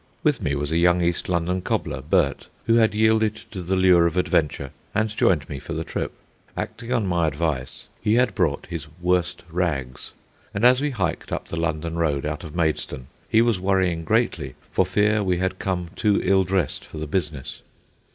With me was a young East London cobbler, Bert, who had yielded to the lure of adventure and joined me for the trip. Acting on my advice, he had brought his "worst rags," and as we hiked up the London road out of Maidstone he was worrying greatly for fear we had come too ill dressed for the business.